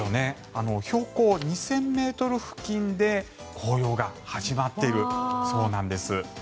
標高２０００ｍ付近で紅葉が始まっているそうなんです。